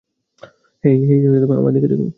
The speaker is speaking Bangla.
হেই, আমার দিকে দেখো।